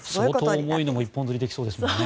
相当重いのも一本釣りできそうですね。